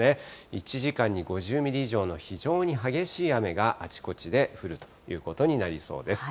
１時間に５０ミリ以上の非常に激しい雨が、あちこちで降るということになりそうです。